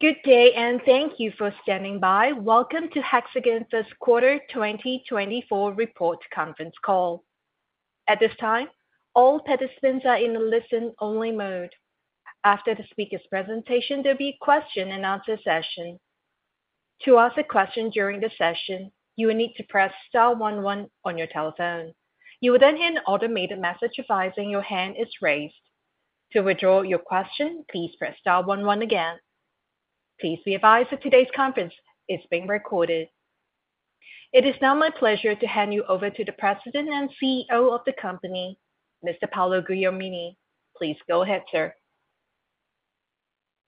Good day and thank you for standing by. Welcome to Hexagon First Quarter 2024 Report Conference Call. At this time, all participants are in a listen-only mode. After the speaker's presentation, there will be a question-and-answer session. To ask a question during the session, you will need to press star 11 on your telephone. You will then hear an automated message advising your hand is raised. To withdraw your question, please press star 11 again. Please be advised that today's conference is being recorded. It is now my pleasure to hand you over to the President and CEO of the company, Mr. Paolo Guglielmini. Please go ahead, sir.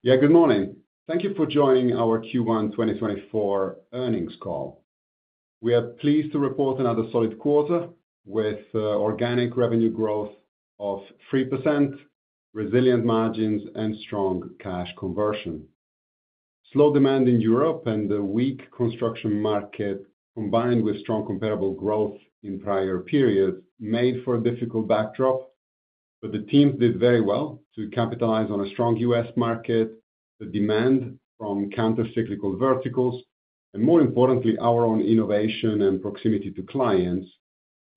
Yeah, good morning. Thank you for joining our Q1 2024 Earnings Call. We are pleased to report another solid quarter with organic revenue growth of 3%, resilient margins, and strong cash conversion. Slow demand in Europe and the weak construction market, combined with strong comparable growth in prior periods, made for a difficult backdrop, but the teams did very well to capitalize on a strong U.S. market, the demand from countercyclical verticals, and more importantly, our own innovation and proximity to clients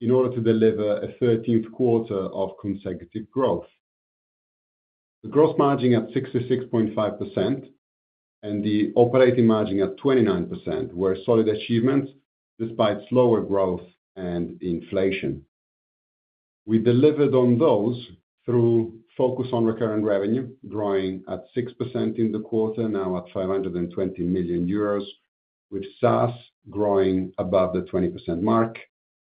in order to deliver a 13th quarter of consecutive growth. The gross margin at 66.5% and the operating margin at 29% were solid achievements despite slower growth and inflation. We delivered on those through focus on recurrent revenue, growing at 6% in the quarter, now at 520 million euros, with SaaS growing above the 20% mark,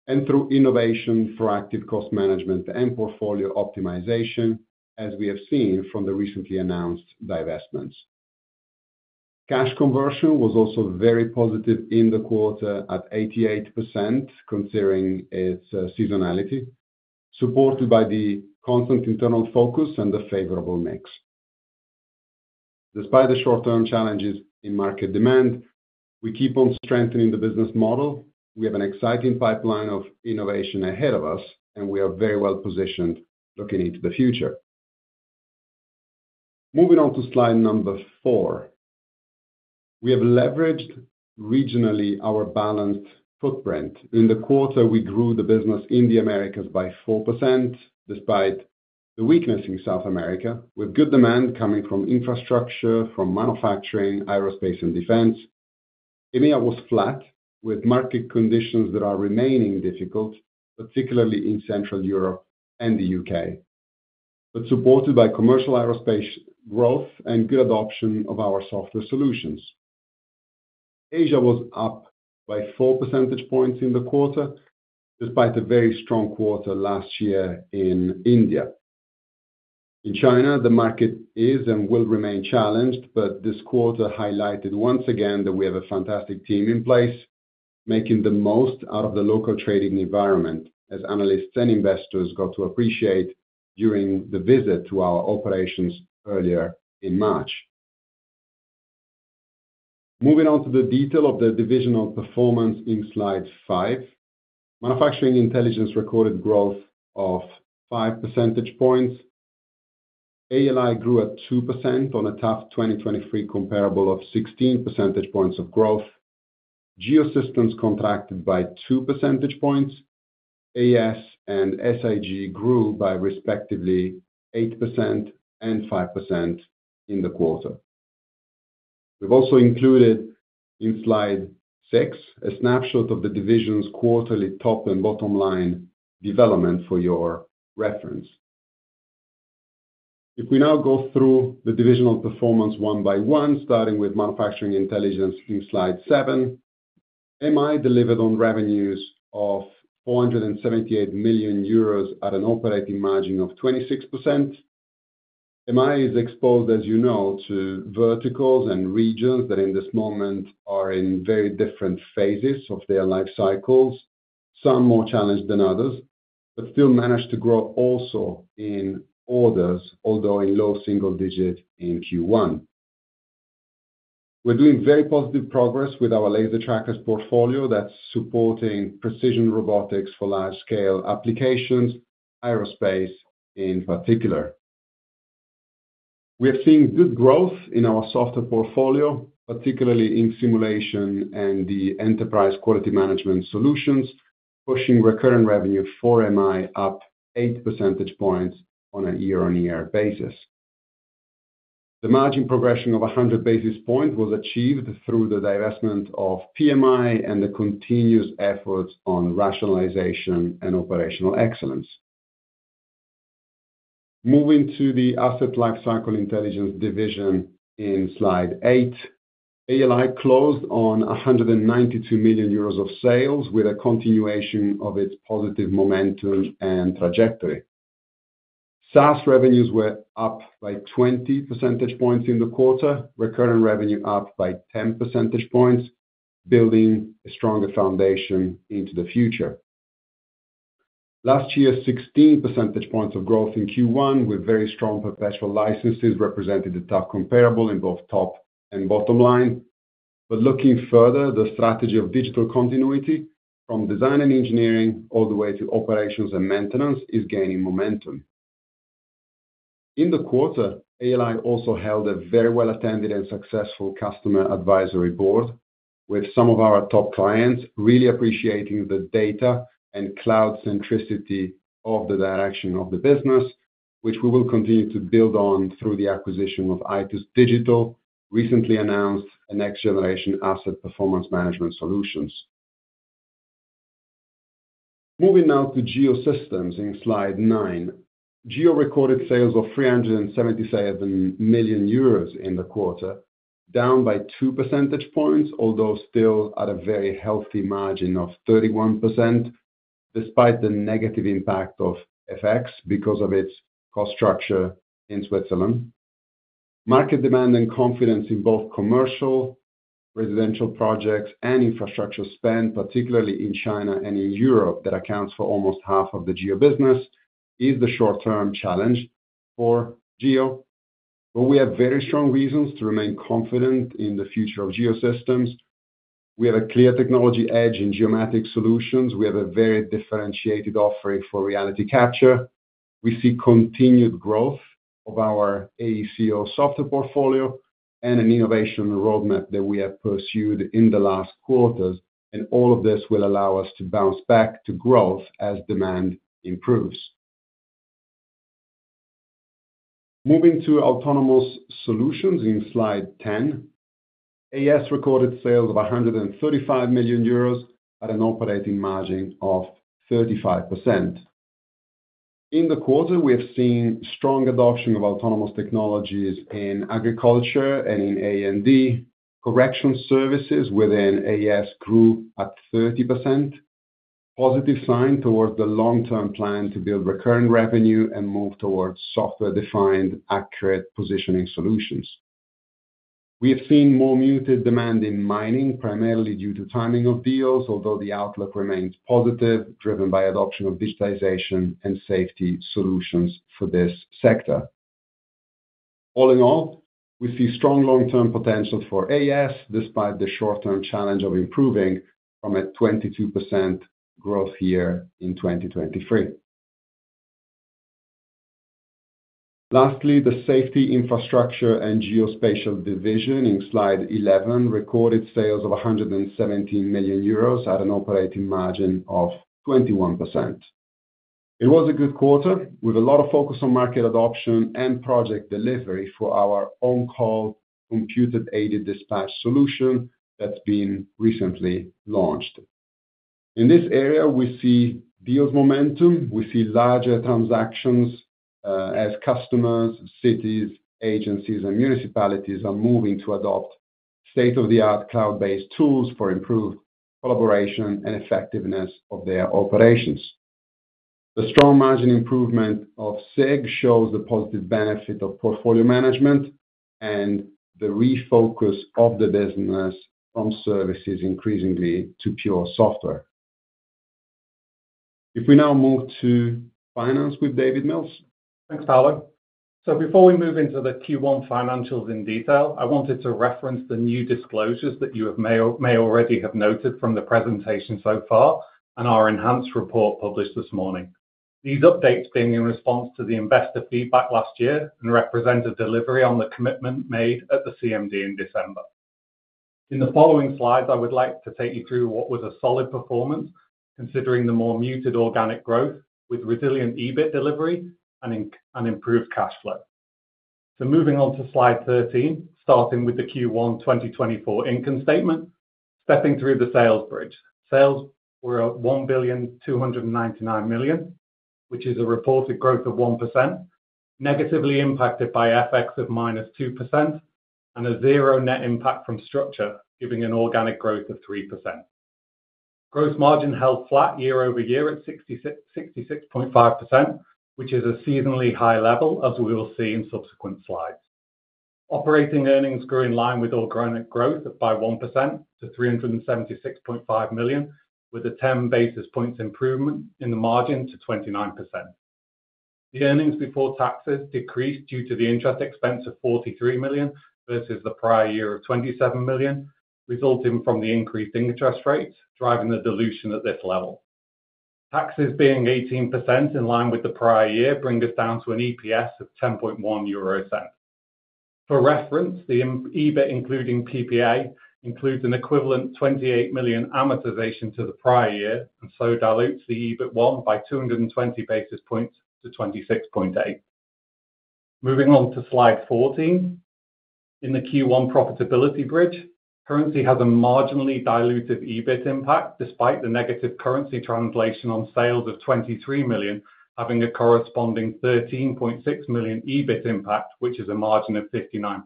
and through innovation for active cost management and portfolio optimization, as we have seen from the recently announced divestments. Cash conversion was also very positive in the quarter at 88%, considering its seasonality, supported by the constant internal focus and a favorable mix. Despite the short-term challenges in market demand, we keep on strengthening the business model. We have an exciting pipeline of innovation ahead of us, and we are very well positioned looking into the future. Moving on to slide number four. We have leveraged regionally our balanced footprint. In the quarter, we grew the business in the Americas by 4% despite the weakness in South America, with good demand coming from infrastructure, from manufacturing, aerospace, and defense. EMEA was flat, with market conditions that are remaining difficult, particularly in Central Europe and the U.K., but supported by commercial aerospace growth and good adoption of our software solutions. Asia was up by four percentage points in the quarter, despite a very strong quarter last year in India. In China, the market is and will remain challenged, but this quarter highlighted once again that we have a fantastic team in place, making the most out of the local trading environment, as analysts and investors got to appreciate during the visit to our operations earlier in March. Moving on to the detail of the divisional performance in slide five. Manufacturing Intelligence recorded growth of five percentage points. ALI grew at 2% on a tough 2023 comparable of 16 percentage points of growth. Geosystems contracted by two percentage points. AS and SIG grew by respectively 8% and 5% in the quarter. We've also included in slide six a snapshot of the division's quarterly top and bottom line development for your reference. If we now go through the divisional performance one by one, starting with Manufacturing Intelligence in slide seven. MI delivered on revenues of 478 million euros at an operating margin of 26%. MI is exposed, as you know, to verticals and regions that in this moment are in very different phases of their life cycles, some more challenged than others, but still managed to grow also in orders, although in low single digit in Q1. We're doing very positive progress with our laser trackers portfolio that's supporting precision robotics for large-scale applications, aerospace in particular. We have seen good growth in our software portfolio, particularly in simulation and the enterprise quality management solutions, pushing recurrent revenue for MI up eight percentage points on a year-on-year basis. The margin progression of 100 basis points was achieved through the divestment of PMI and the continuous efforts on rationalization and operational excellence. Moving to the Asset Lifecycle Intelligence division in slide eight. ALI closed on 192 million euros of sales with a continuation of its positive momentum and trajectory. SaaS revenues were up by 20 percentage points in the quarter, recurrent revenue up by 10 percentage points, building a stronger foundation into the future. Last year, 16 percentage points of growth in Q1, with very strong perpetual licenses representing the tough comparable in both top and bottom line. But looking further, the strategy of digital continuity, from design and engineering all the way to operations and maintenance, is gaining momentum. In the quarter, ALI also held a very well-attended and successful customer advisory board, with some of our top clients really appreciating the data and cloud centricity of the direction of the business, which we will continue to build on through the acquisition of Itus Digital, recently announced a next-generation asset performance management solutions. Moving now to Geosystems in slide nine. Geo recorded sales of 377 million euros in the quarter, down by two percentage points, although still at a very healthy margin of 31%, despite the negative impact of FX because of its cost structure in Switzerland. Market demand and confidence in both commercial, residential projects, and infrastructure spend, particularly in China and in Europe that accounts for almost half of the geo business, is the short-term challenge for Geo. But we have very strong reasons to remain confident in the future of Geosystems. We have a clear technology edge in geomatic solutions. We have a very differentiated offering for reality capture. We see continued growth of our AECO software portfolio and an innovation roadmap that we have pursued in the last quarters, and all of this will allow us to bounce back to growth as demand improves. Moving to autonomous solutions in slide 10. AS recorded sales of 135 million euros at an operating margin of 35%. In the quarter, we have seen strong adoption of autonomous technologies in agriculture and in A&D. Correction services within AS grew at 30%, positive sign towards the long-term plan to build recurrent revenue and move towards software-defined, accurate positioning solutions. We have seen more muted demand in mining, primarily due to timing of deals, although the outlook remains positive, driven by adoption of digitization and safety solutions for this sector. All in all, we see strong long-term potential for AS despite the short-term challenge of improving from a 22% growth year in 2023. Lastly, the safety infrastructure and geospatial division in slide 11 recorded sales of 117 million euros at an operating margin of 21%. It was a good quarter, with a lot of focus on market adoption and project delivery for our OnCall computer-aided dispatch solution that's been recently launched. In this area, we see deals momentum. We see larger transactions as customers, cities, agencies, and municipalities are moving to adopt state-of-the-art cloud-based tools for improved collaboration and effectiveness of their operations. The strong margin improvement of SIG shows the positive benefit of portfolio management and the refocus of the business from services increasingly to pure software. If we now move to finance with David Mills. Thanks, Paolo. So before we move into the Q1 financials in detail, I wanted to reference the new disclosures that you may already have noted from the presentation so far and our enhanced report published this morning. These updates being in response to the investor feedback last year and represent a delivery on the commitment made at the CMD in December. In the following slides, I would like to take you through what was a solid performance, considering the more muted organic growth with resilient EBIT delivery and improved cash flow. So moving on to slide 13, starting with the Q1 2024 income statement, stepping through the sales bridge. Sales were at 1,299 million, which is a reported growth of 1%, negatively impacted by FX of -2% and a zero net impact from structure, giving an organic growth of 3%. Gross margin held flat year-over-year at 66.5%, which is a seasonally high level, as we will see in subsequent slides. Operating earnings grew in line with organic growth by 1% to 376.5 million, with a 10 basis points improvement in the margin to 29%. The earnings before taxes decreased due to the interest expense of 43 million versus the prior year of 27 million, resulting from the increased interest rates, driving the dilution at this level. Taxes being 18% in line with the prior year bring us down to an EPS of 10.1 euro. For reference, the EBIT including PPA includes an equivalent 28 million amortization to the prior year and so dilutes the EBIT1 by 220 basis points to 26.8. Moving on to slide 14. In the Q1 profitability bridge, currency has a marginally dilutive EBIT impact despite the negative currency translation on sales of 23 million having a corresponding 13.6 million EBIT impact, which is a margin of 59%,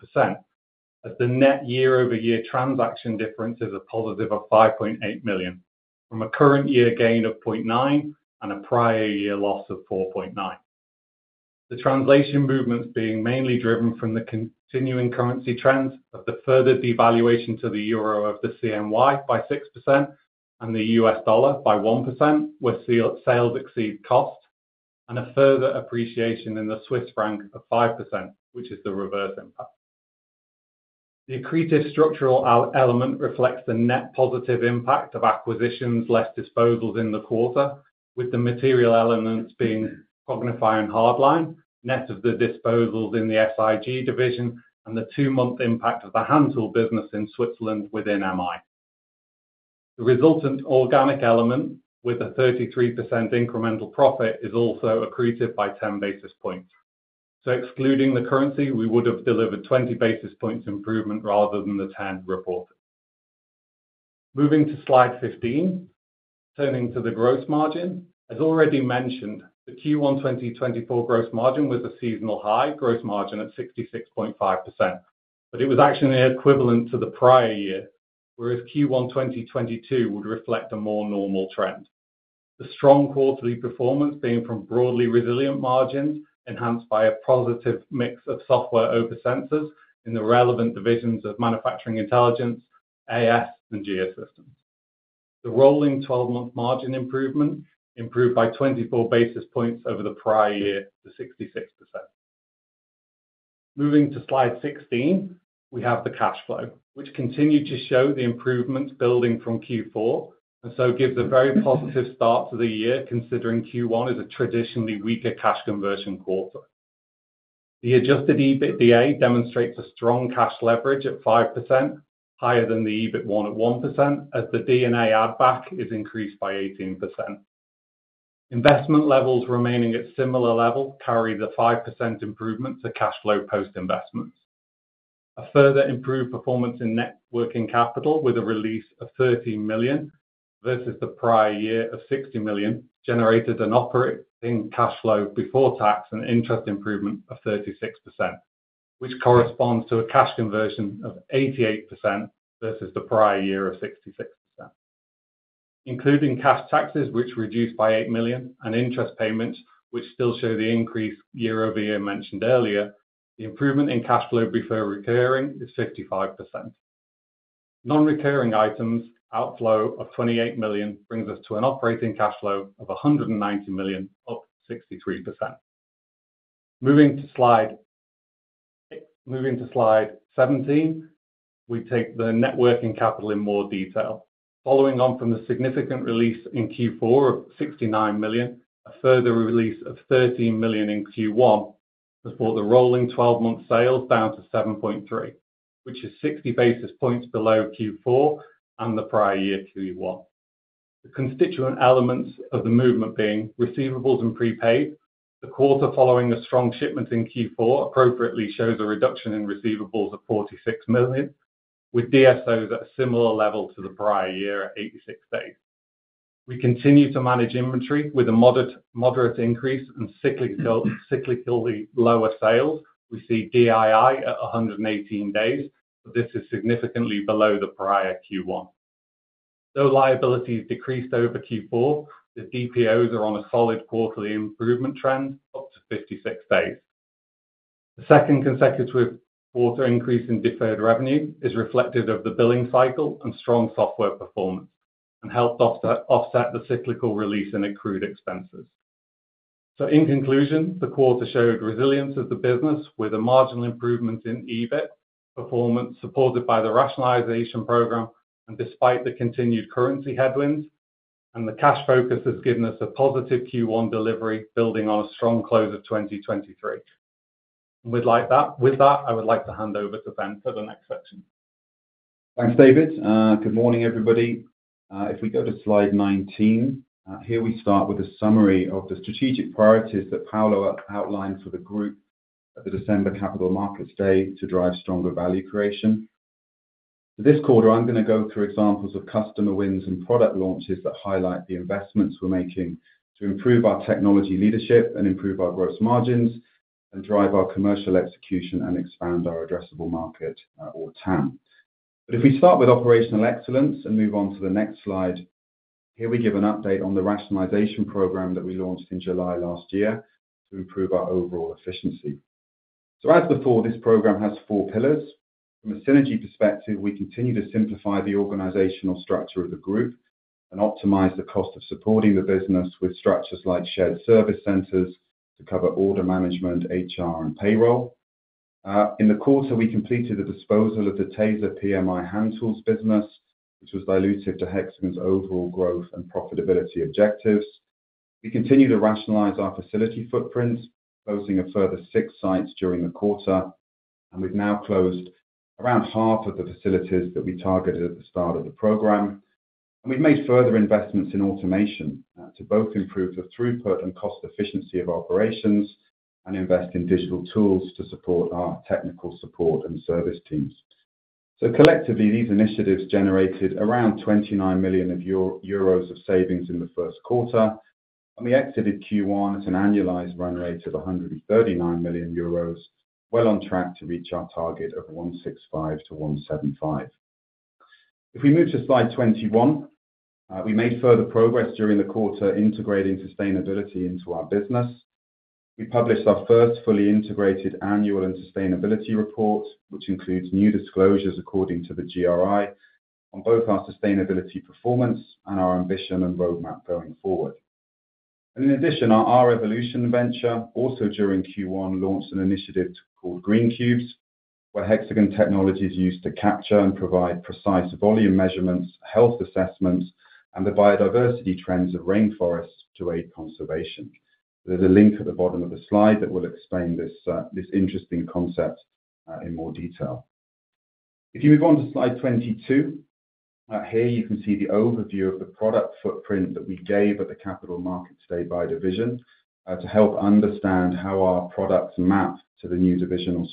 as the net year-over-year transaction difference is a positive of 5.8 million from a current year gain of 0.9 million and a prior year loss of 4.9 million. The translation movements being mainly driven from the continuing currency trends of the further devaluation to the euro of the CNY by 6% and the U.S. dollar by 1% where sales exceed cost, and a further appreciation in the Swiss franc of 5%, which is the reverse impact. The accretive structural element reflects the net positive impact of acquisitions less disposals in the quarter, with the material elements being Qognify, Hard-Line, net of the disposals in the SIG division, and the two-month impact of the Hand Tools business in Switzerland within MI. The resultant organic element with a 33% incremental profit is also accretive by 10 basis points. So excluding the currency, we would have delivered 20 basis points improvement rather than the 10 reported. Moving to slide 15. Turning to the gross margin. As already mentioned, the Q1 2024 gross margin was a seasonal high, gross margin at 66.5%, but it was actually equivalent to the prior year, whereas Q1 2022 would reflect a more normal trend. The strong quarterly performance being from broadly resilient margins enhanced by a positive mix of software over sensors in the relevant divisions of Manufacturing Intelligence, AS, and Geosystems. The rolling 12-month margin improvement improved by 24 basis points over the prior year to 66%. Moving to slide 16. We have the cash flow, which continued to show the improvements building from Q4 and so gives a very positive start to the year, considering Q1 is a traditionally weaker cash conversion quarter. The adjusted EBITDA demonstrates a strong cash leverage at 5%, higher than the EBIT at 1%, as the D&A add-back is increased by 18%. Investment levels remaining at similar levels carry the 5% improvement to cash flow post-investments. A further improved performance in net working capital with a release of 30 million versus the prior year of 60 million generated an operating cash flow before tax and interest improvement of 36%, which corresponds to a cash conversion of 88% versus the prior year of 66%. Including cash taxes, which reduced by 8 million, and interest payments, which still show the increase year over year mentioned earlier, the improvement in cash flow before recurring is 55%. Non-recurring items outflow of 28 million brings us to an operating cash flow of 190 million up 63%. Moving to slide 17. We take the net working capital in more detail. Following on from the significant release in Q4 of 69 million, a further release of 13 million in Q1 has brought the rolling 12-month sales down to 7.3, which is 60 basis points below Q4 and the prior year Q1. The constituent elements of the movement being receivables and prepaid. The quarter following a strong shipment in Q4 appropriately shows a reduction in receivables of 46 million, with DSOs at a similar level to the prior year at 86 days. We continue to manage inventory with a moderate increase and cyclically lower sales. We see DII at 118 days, but this is significantly below the prior Q1. Though liabilities decreased over Q4, the DPOs are on a solid quarterly improvement trend up to 56 days. The second consecutive quarter increase in deferred revenue is reflective of the billing cycle and strong software performance and helped offset the cyclical release in accrued expenses. So in conclusion, the quarter showed resilience as the business with a marginal improvement in EBIT performance supported by the rationalization program and despite the continued currency headwinds, and the cash focus has given us a positive Q1 delivery building on a strong close of 2023. And with that, I would like to hand over to Ben for the next section. Thanks, David. Good morning, everybody. If we go to slide 19, here we start with a summary of the strategic priorities that Paolo outlined for the group at the December Capital Markets Day to drive stronger value creation. For this quarter, I'm going to go through examples of customer wins and product launches that highlight the investments we're making to improve our technology leadership and improve our gross margins and drive our commercial execution and expand our addressable market, or TAM. But if we start with operational excellence and move on to the next slide, here we give an update on the rationalization program that we launched in July last year to improve our overall efficiency. So as before, this program has four pillars. From a synergy perspective, we continue to simplify the organizational structure of the group and optimize the cost of supporting the business with structures like shared service centers to cover order management, HR, and payroll. In the quarter, we completed the disposal of the TESA PMI Hand Tools business, which was diluted to Hexagon's overall growth and profitability objectives. We continue to rationalize our facility footprint, closing a further six sites during the quarter, and we've now closed around half of the facilities that we targeted at the start of the program. We've made further investments in automation to both improve the throughput and cost efficiency of operations and invest in digital tools to support our technical support and service teams. So collectively, these initiatives generated around 29 million euro of savings in the first quarter, and we exited Q1 at an annualized run rate of 139 million euros, well on track to reach our target of 165 million-175 million. If we move to slide 21. We made further progress during the quarter integrating sustainability into our business. We published our first fully integrated annual and sustainability report, which includes new disclosures according to the GRI on both our sustainability performance and our ambition and roadmap going forward. And in addition, our R-evolution venture, also during Q1, launched an initiative called Green Cubes, where Hexagon technology is used to capture and provide precise volume measurements, health assessments, and the biodiversity trends of rainforests to aid conservation. There's a link at the bottom of the slide that will explain this interesting concept in more detail. If you move on to slide 22. Here, you can see the overview of the product footprint that we gave at the Capital Markets Day by division to help understand how our products map to the new divisional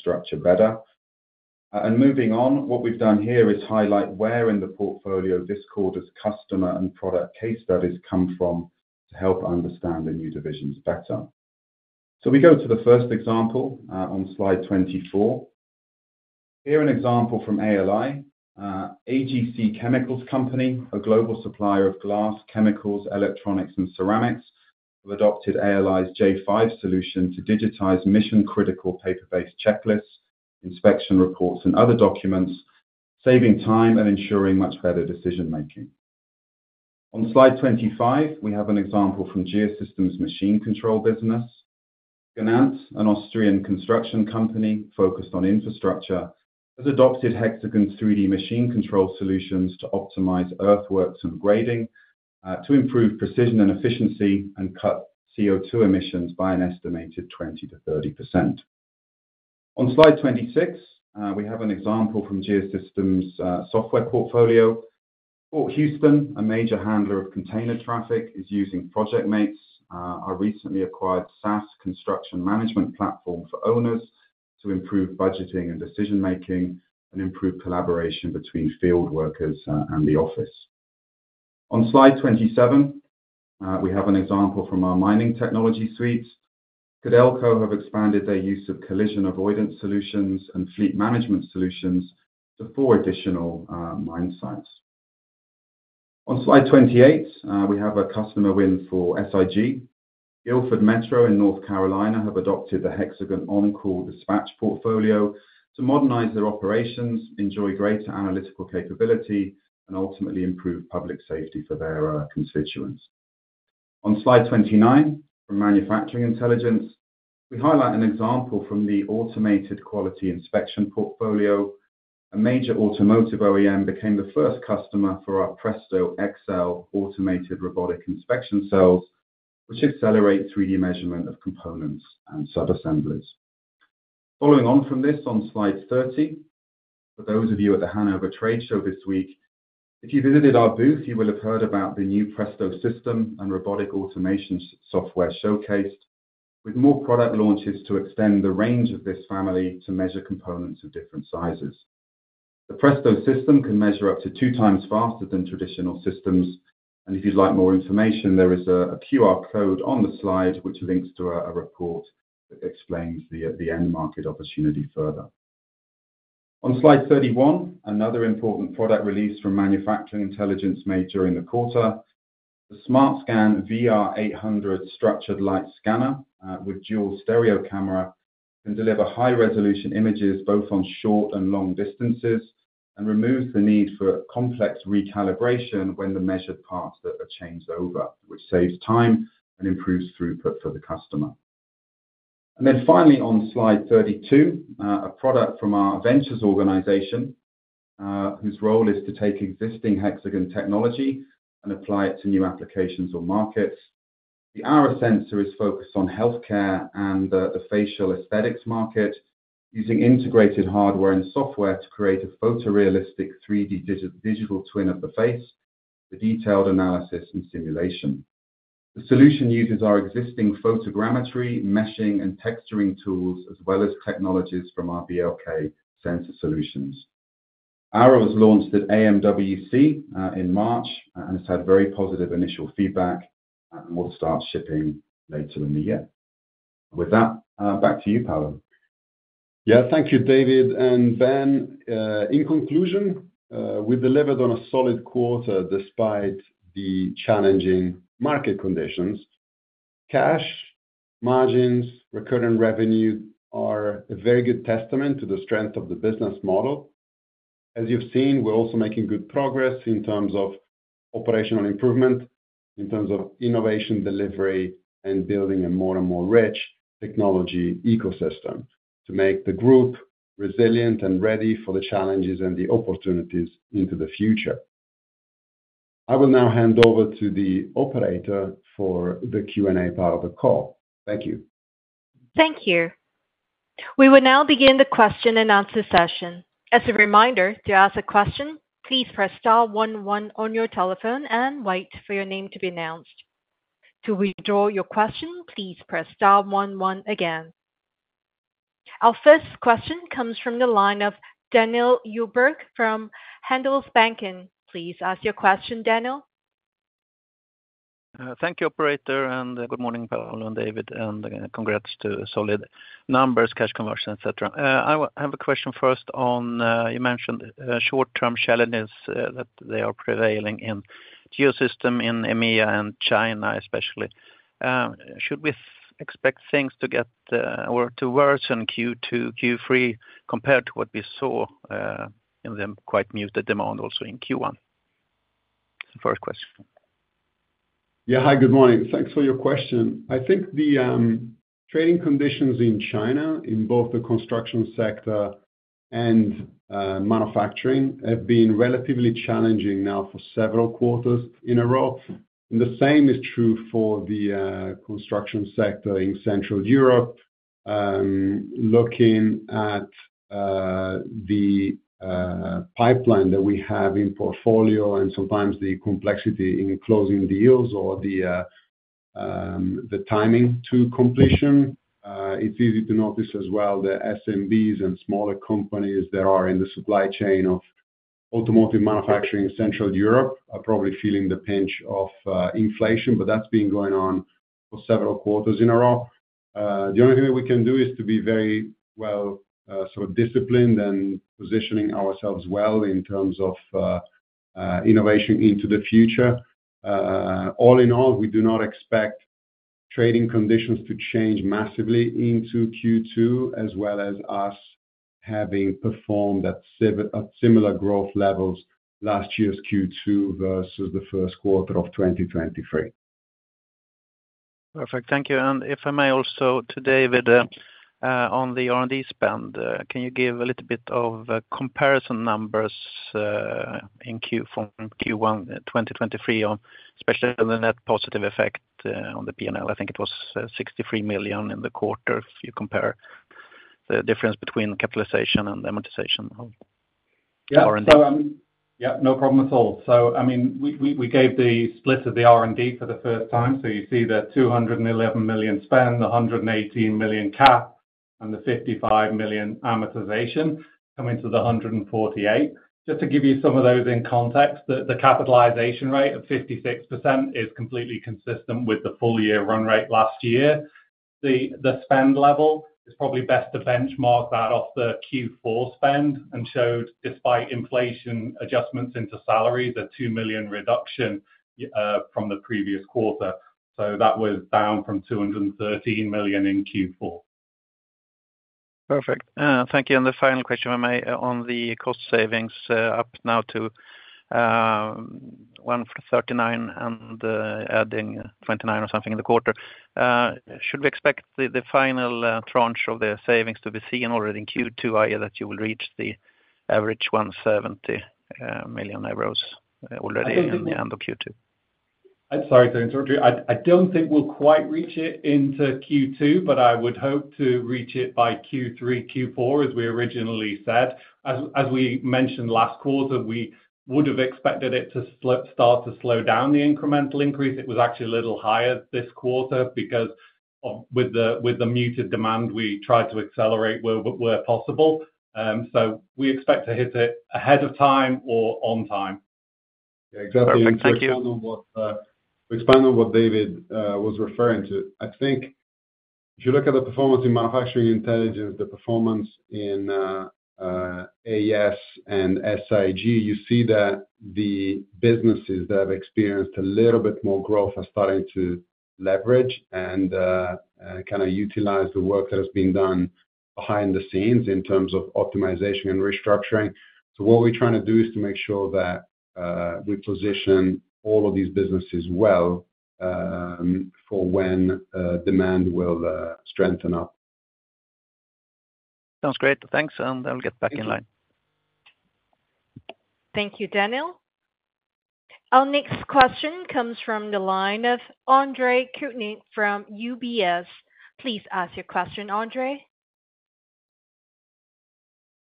structure better. And moving on, what we've done here is highlight where in the portfolio this quarter's customer and product case studies come from to help understand the new divisions better. So we go to the first example on slide 24. Here's an example from ALI. AGC Chemicals Company, a global supplier of glass, chemicals, electronics, and ceramics, have adopted ALI's j5 solution to digitize mission-critical paper-based checklists, inspection reports, and other documents, saving time and ensuring much better decision-making. On slide 25, we have an example from Geosystems' machine control business. Gnant, an Austrian construction company focused on infrastructure, has adopted Hexagon's 3D machine control solutions to optimize earthworks and grading to improve precision and efficiency and cut CO2 emissions by an estimated 20%-30%. On slide 26, we have an example from Geosystems' software portfolio. Port Houston, a major handler of container traffic, is using Projectmates, our recently acquired SaaS construction management platform for owners, to improve budgeting and decision-making and improve collaboration between field workers and the office. On slide 27, we have an example from our mining technology suite. Codelco have expanded their use of collision avoidance solutions and fleet management solutions to four additional mine sites. On slide 28, we have a customer win for SIG. Guilford Metro 911 in North Carolina have adopted the HxGN OnCall dispatch portfolio to modernise their operations, enjoy greater analytical capability, and ultimately improve public safety for their constituents. On slide 29, from Manufacturing Intelligence, we highlight an example from the automated quality inspection portfolio. A major automotive OEM became the first customer for our Presto XL automated robotic inspection cells, which accelerate 3D measurement of components and subassemblies. Following on from this on slide 30. For those of you at the Hanover Trade Show this week, if you visited our booth, you will have heard about the new Presto system and robotic automation software showcased, with more product launches to extend the range of this family to measure components of different sizes. The Presto system can measure up to 2x faster than traditional systems. And if you'd like more information, there is a QR code on the slide which links to a report that explains the end market opportunity further. On slide 31, another important product release from Manufacturing Intelligence made during the quarter. The SmartScan VR800 structured light scanner with dual stereo camera can deliver high-resolution images both on short and long distances and removes the need for complex recalibration when the measured parts are changed over, which saves time and improves throughput for the customer. And then finally, on slide 32, a product from our ventures organization, whose role is to take existing Hexagon technology and apply it to new applications or markets. The Aura sensor is focused on healthcare and the facial aesthetics market, using integrated hardware and software to create a photorealistic 3D digital twin of the face for detailed analysis and simulation. The solution uses our existing photogrammetry, meshing, and texturing tools, as well as technologies from our BLK sensor solutions. Aura was launched at AMWC in March and has had very positive initial feedback and will start shipping later in the year. With that, back to you, Paolo. Yeah, thank you, David and Ben. In conclusion, we delivered on a solid quarter despite the challenging market conditions. Cash, margins, recurring revenue are a very good testament to the strength of the business model. As you've seen, we're also making good progress in terms of operational improvement, in terms of innovation delivery, and building a more and more rich technology ecosystem to make the group resilient and ready for the challenges and the opportunities into the future. I will now hand over to the operator for the Q&A part of the call. Thank you. Thank you. We will now begin the question and answer session. As a reminder, to ask a question, please press star 11 on your telephone and wait for your name to be announced. To withdraw your question, please press star 11 again. Our first question comes from the line of Daniel Djurberg from Handelsbanken. Please ask your question, Daniel. Thank you, operator, and good morning, Paolo, and David, and congrats to solid numbers, cash conversion, etc. I have a question first on you mentioned short-term challenges that they are prevailing in Geosystems in EMEA and China especially. Should we expect things to get to worsen Q2, Q3 compared to what we saw in the quite muted demand also in Q1? First question. Yeah, hi, good morning. Thanks for your question. I think the trading conditions in China in both the construction sector and manufacturing have been relatively challenging now for several quarters in a row. The same is true for the construction sector in Central Europe. Looking at the pipeline that we have in portfolio and sometimes the complexity in closing deals or the timing to completion, it's easy to notice as well the SMBs and smaller companies that are in the supply chain of automotive manufacturing in Central Europe are probably feeling the pinch of inflation, but that's been going on for several quarters in a row. The only thing that we can do is to be very well sort of disciplined and positioning ourselves well in terms of innovation into the future. All in all, we do not expect trading conditions to change massively into Q2 as well as us having performed at similar growth levels last year's Q2 versus the first quarter of 2023. Perfect. Thank you. If I may also, today, David, on the R&D spend, can you give a little bit of comparison numbers from Q1 2023, especially on the net positive effect on the P&L? I think it was 63 million in the quarter if you compare the difference between capitalization and amortization of R&D. Yeah, no problem at all. So I mean, we gave the split of the R&D for the first time. So you see the 211 million spend, the 118 million cap, and the 55 million amortization coming to the 148 million. Just to give you some of those in context, the capitalization rate of 56% is completely consistent with the full year run rate last year. The spend level is probably best to benchmark that off the Q4 spend and showed, despite inflation adjustments into salaries, a 2 million reduction from the previous quarter. So that was down from 213 million in Q4. Perfect. Thank you. And the final question, if I may, on the cost savings up now to 139 million and adding 29 million or something in the quarter. Should we expect the final tranche of the savings to be seen already in Q2, i.e., that you will reach the average 170 million euros already in the end of Q2? I'm sorry to interrupt you. I don't think we'll quite reach it into Q2, but I would hope to reach it by Q3, Q4, as we originally said. As we mentioned last quarter, we would have expected it to start to slow down the incremental increase. It was actually a little higher this quarter because with the muted demand, we tried to accelerate where possible. So we expect to hit it ahead of time or on time. Yeah, exactly. To expand on what David was referring to, I think if you look at the performance in Manufacturing Intelligence, the performance in AS and SIG, you see that the businesses that have experienced a little bit more growth are starting to leverage and kind of utilize the work that has been done behind the scenes in terms of optimization and restructuring. So what we're trying to do is to make sure that we position all of these businesses well for when demand will strengthen up. Sounds great. Thanks. And I'll get back in line. Thank you, Daniel. Our next question comes from the line of Andre Kukhnin from UBS. Please ask your question, Andre.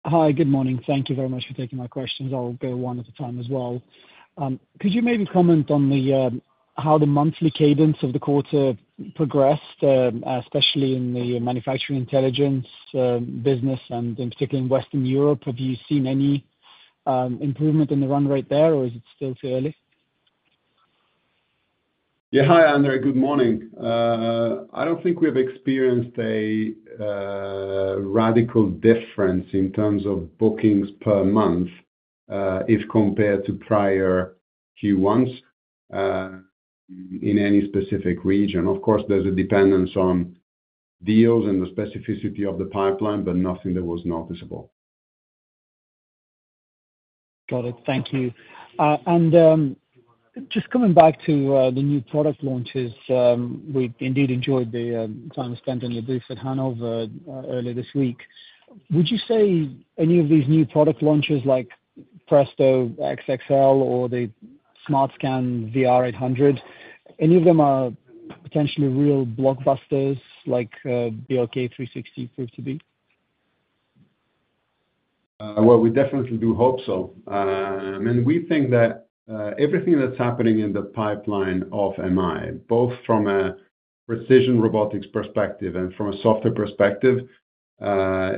Hi, good morning. Thank you very much for taking my questions. I'll go one at a time as well. Could you maybe comment on how the monthly cadence of the quarter progressed, especially in the manufacturing intelligence business and in particular in Western Europe? Have you seen any improvement in the run rate there, or is it still too early? Yeah, hi, Andre. Good morning. I don't think we have experienced a radical difference in terms of bookings per month if compared to prior Q1s in any specific region. Of course, there's a dependence on deals and the specificity of the pipeline, but nothing that was noticeable. Got it. Thank you. And just coming back to the new product launches, we indeed enjoyed the time spent on your booth at Hanover earlier this week. Would you say any of these new product launches like Presto XL or the SmartScan VR800, any of them are potentially real blockbusters like BLK360 proved to be? Well, we definitely do hope so. I mean, we think that everything that's happening in the pipeline of MI, both from a precision robotics perspective and from a software perspective,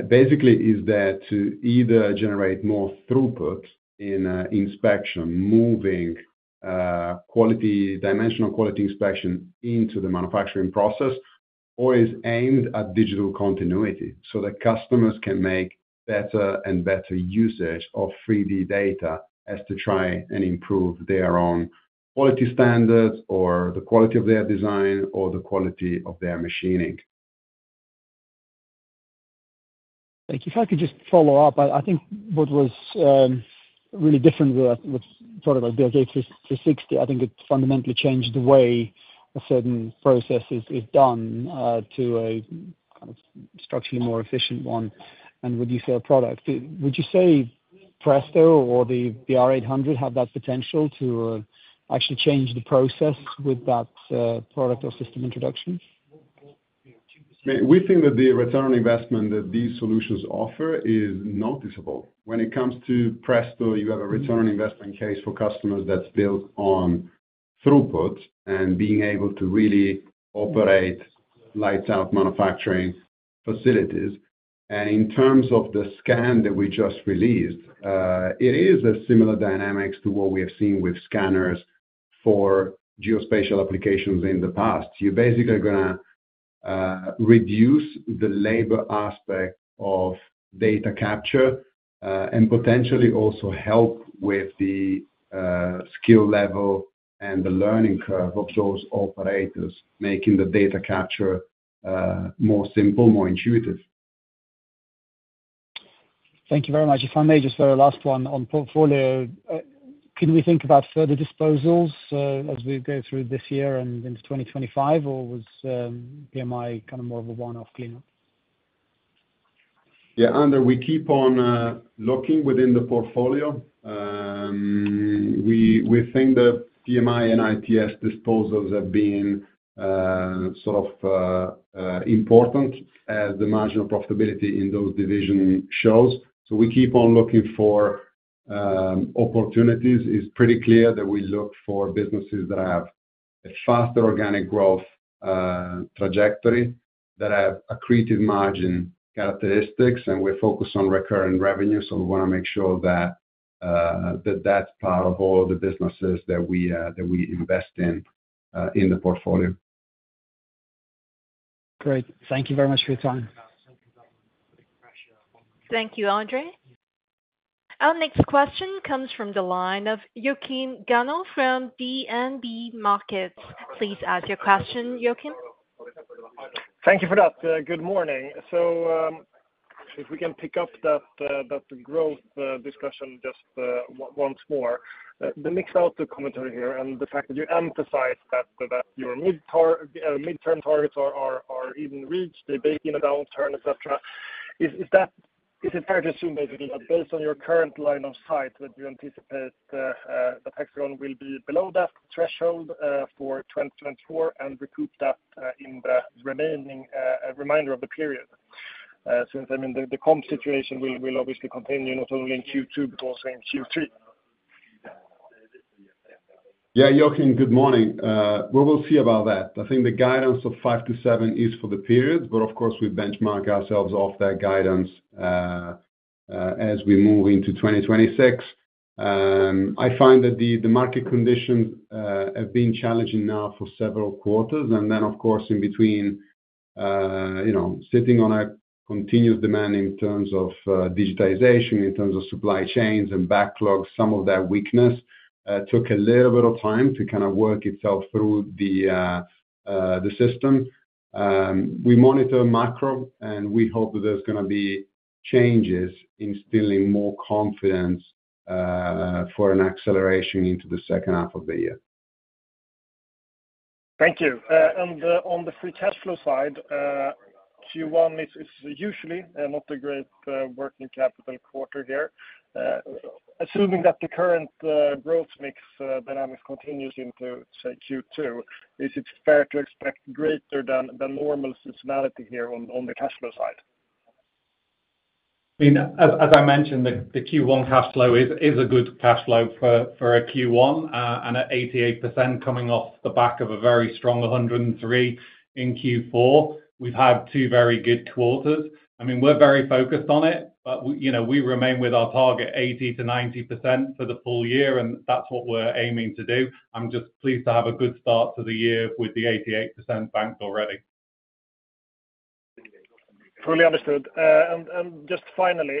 basically is there to either generate more throughput in inspection, moving dimensional quality inspection into the manufacturing process, or is aimed at digital continuity so that customers can make better and better usage of 3D data as to try and improve their own quality standards or the quality of their design or the quality of their machining. Thank you. If I could just follow up, I think what was really different with what's thought of as BLK360, I think it fundamentally changed the way a certain process is done to a kind of structurally more efficient one and would use their product. Would you say Presto or the VR800 have that potential to actually change the process with that product or system introduction? We think that the return on investment that these solutions offer is noticeable. When it comes to Presto, you have a return on investment case for customers that's built on throughput and being able to really operate lights-out manufacturing facilities. And in terms of the scan that we just released, it is a similar dynamics to what we have seen with scanners for geospatial applications in the past. You're basically going to reduce the labor aspect of data capture and potentially also help with the skill level and the learning curve of those operators, making the data capture more simple, more intuitive. Thank you very much. If I may, just very last one on portfolio, can we think about further disposals as we go through this year and into 2025, or was PMI kind of more of a one-off cleanup? Yeah, Andre, we keep on looking within the portfolio. We think that PMI and ITS disposals have been sort of important as the marginal profitability in those division shows. So we keep on looking for opportunities. It's pretty clear that we look for businesses that have a faster organic growth trajectory, that have accretive margin characteristics, and we're focused on recurring revenue. So we want to make sure that that's part of all the businesses that we invest in the portfolio. Great. Thank you very much for your time. Thank you, Andre. Our next question comes from the line of Joachim Gunell from DNB Markets. Please ask your question, Joachim. Thank you for that. Good morning. So if we can pick up that growth discussion just once more, the mixed outlook commentary here and the fact that you emphasize that your mid-term targets are even reached, they're baking a downturn, etc., is it fair to assume, basically, that based on your current line of sight, that you anticipate that Hexagon will be below that threshold for 2024 and recoup that in the remaining remainder of the period? Since, I mean, the comp situation will obviously continue not only in Q2 but also in Q3. Yeah, Joachim, good morning. What we'll see about that, I think the guidance of 5%-7% is for the period, but of course, we benchmark ourselves off that guidance as we move into 2026. I find that the market conditions have been challenging now for several quarters. And then, of course, in between sitting on a continuous demand in terms of digitization, in terms of supply chains and backlogs, some of that weakness took a little bit of time to kind of work itself through the system. We monitor macro, and we hope that there's going to be changes instilling more confidence for an acceleration into the second half of the year. Thank you. On the free cash flow side, Q1 is usually not a great working capital quarter here. Assuming that the current growth mix dynamics continues into, say, Q2, is it fair to expect greater than normal seasonality here on the cash flow side? I mean, as I mentioned, the Q1 cash flow is a good cash flow for a Q1 and at 88% coming off the back of a very strong 103% in Q4. We've had two very good quarters. I mean, we're very focused on it, but we remain with our target 80%-90% for the full year, and that's what we're aiming to do. I'm just pleased to have a good start to the year with the 88% banked already. Fully understood. And just finally,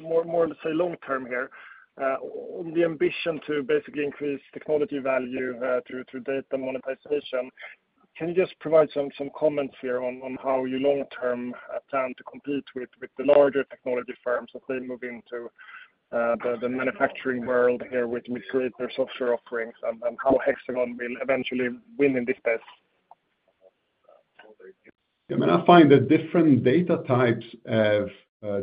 more to say long-term here, on the ambition to basically increase technology value through data monetization, can you just provide some comments here on how you long-term plan to compete with the larger technology firms as they move into the manufacturing world here with greater software offerings and how Hexagon will eventually win in this space? Yeah, I mean, I find that different data types have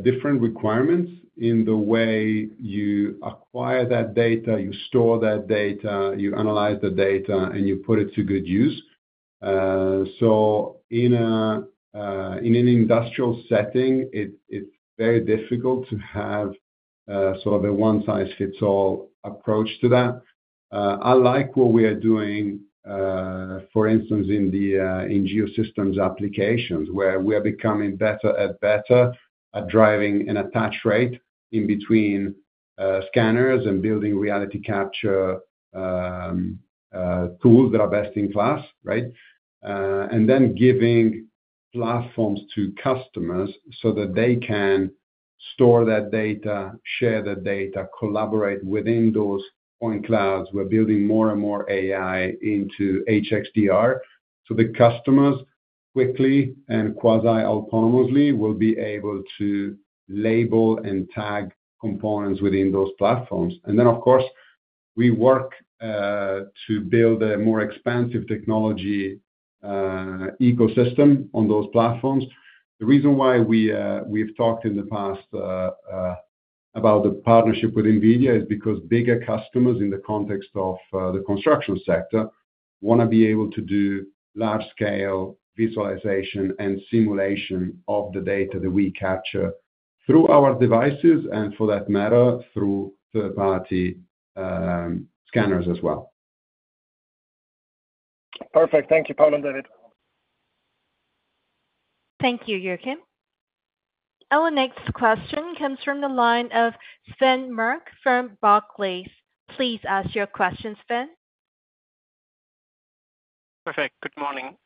different requirements in the way you acquire that data, you store that data, you analyze the data, and you put it to good use. So in an industrial setting, it's very difficult to have sort of a one-size-fits-all approach to that. I like what we are doing, for instance, in Geosystems applications where we are becoming better and better at driving an attach rate in between scanners and building reality capture tools that are best in class, right, and then giving platforms to customers so that they can store that data, share that data, collaborate within those point clouds. We're building more and more AI into HxDR so the customers quickly and quasi-autonomously will be able to label and tag components within those platforms. And then, of course, we work to build a more expansive technology ecosystem on those platforms. The reason why we've talked in the past about the partnership with NVIDIA is because bigger customers in the context of the construction sector want to be able to do large-scale visualization and simulation of the data that we capture through our devices and, for that matter, through third-party scanners as well. Perfect. Thank you, Paolo and David. Thank you, Joachim. Our next question comes from the line of Sven Merkt from Barclays. Please ask your question, Sven. Perfect. Good morning.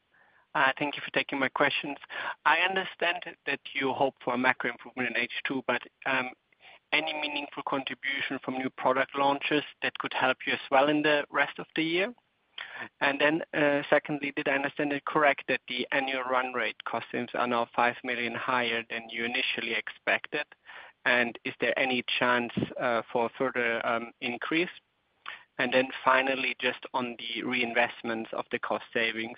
Thank you for taking my questions. I understand that you hope for a macro improvement in H2, but any meaningful contribution from new product launches that could help you as well in the rest of the year? And then secondly, did I understand it correct that the annual run rate costings are now 5 million higher than you initially expected, and is there any chance for a further increase? And then finally, just on the reinvestments of the cost savings,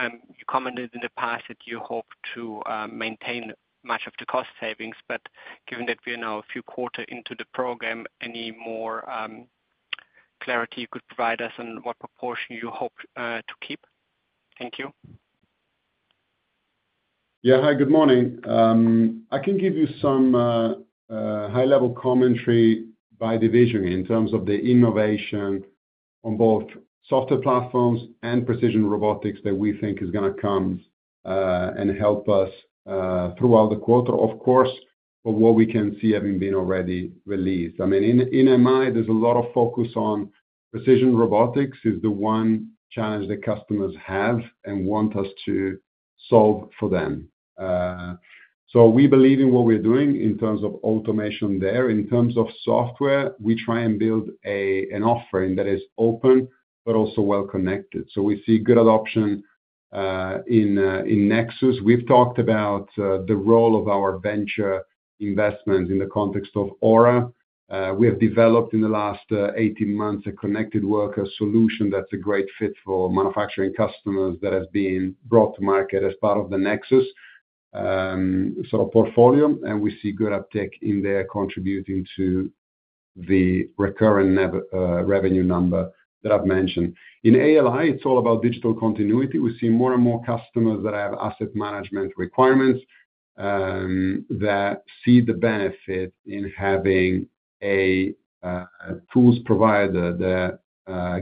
you commented in the past that you hope to maintain much of the cost savings, but given that we are now a few quarters into the programme, any more clarity you could provide us on what proportion you hope to keep? Thank you. Yeah, hi, good morning. I can give you some high-level commentary by division in terms of the innovation on both software platforms and precision robotics that we think is going to come and help us throughout the quarter, of course, for what we can see having been already released. I mean, in MI, there's a lot of focus on precision robotics is the one challenge that customers have and want us to solve for them. So we believe in what we're doing in terms of automation there. In terms of software, we try and build an offering that is open but also well-connected. So we see good adoption in Nexus. We've talked about the role of our venture investments in the context of Aura. We have developed in the last 18 months a connected worker solution that's a great fit for manufacturing customers that has been brought to market as part of the Nexus sort of portfolio, and we see good uptake in there contributing to the recurrent revenue number that I've mentioned. In ALI, it's all about digital continuity. We see more and more customers that have asset management requirements that see the benefit in having a tools provider that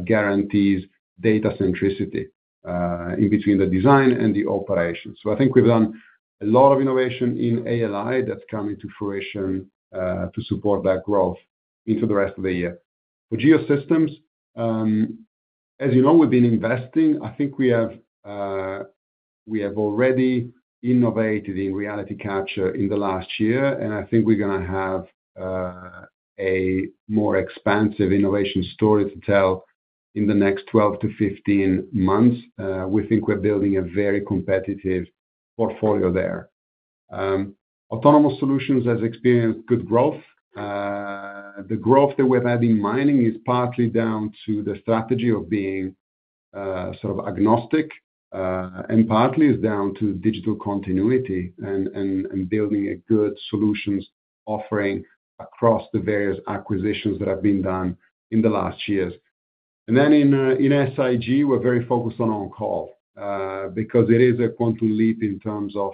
guarantees data centricity in between the design and the operation. So I think we've done a lot of innovation in ALI that's come into fruition to support that growth into the rest of the year. For Geosystems, as you know, we've been investing. I think we have already innovated in reality capture in the last year, and I think we're going to have a more expansive innovation story to tell in the next 12-15 months. We think we're building a very competitive portfolio there. Autonomous solutions has experienced good growth. The growth that we've had in mining is partly down to the strategy of being sort of agnostic and partly is down to digital continuity and building a good solutions offering across the various acquisitions that have been done in the last years. And then in SIG, we're very focused on OnCall because it is a quantum leap in terms of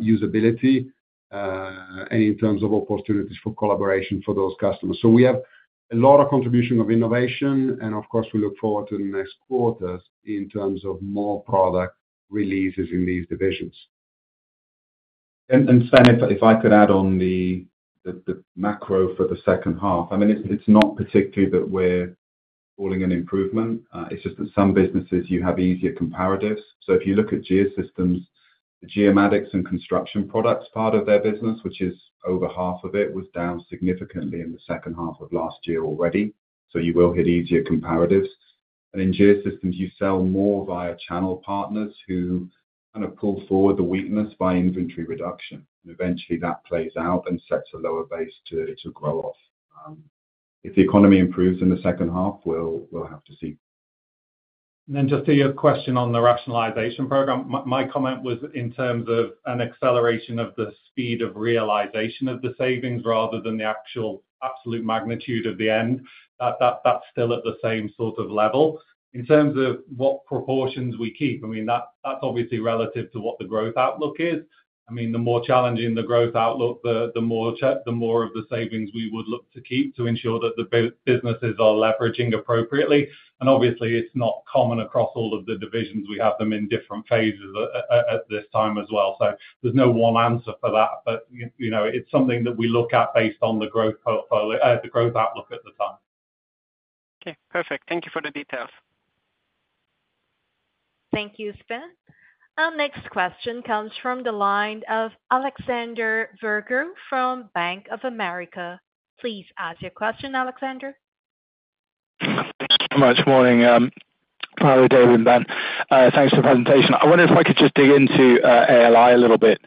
usability and in terms of opportunities for collaboration for those customers. So we have a lot of contribution of innovation, and of course, we look forward to the next quarters in terms of more product releases in these divisions. Sven, if I could add on the macro for the second half, I mean, it's not particularly that we're calling an improvement. It's just that some businesses, you have easier comparatives. So if you look at Geosystems, the geomatics and construction products part of their business, which is over half of it, was down significantly in the second half of last year already. So you will hit easier comparatives. And in Geosystems, you sell more via channel partners who kind of pull forward the weakness by inventory reduction. And eventually, that plays out and sets a lower base to grow off. If the economy improves in the second half, we'll have to see. And then just to your question on the rationalization program, my comment was in terms of an acceleration of the speed of realization of the savings rather than the actual absolute magnitude of the end. That's still at the same sort of level. In terms of what proportions we keep, I mean, that's obviously relative to what the growth outlook is. I mean, the more challenging the growth outlook, the more of the savings we would look to keep to ensure that the businesses are leveraging appropriately. And obviously, it's not common across all of the divisions. We have them in different phases at this time as well. So there's no one answer for that, but it's something that we look at based on the growth outlook at the time. Okay. Perfect. Thank you for the details. Thank you, Sven. Our next question comes from the line of Alexander Virgo from Bank of America. Please ask your question, Alexander. Thank you so much. Morning. Hello David and Ben. Thanks for the presentation. I wonder if I could just dig into ALI a little bit.